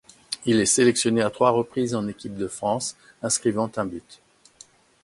Il est sélectionné à trois reprises en équipe de France, inscrivant un but.